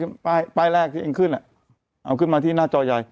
คือป้ายป้ายแรกที่เองขึ้นอ่ะเอาขึ้นมาที่หน้าจอใหญ่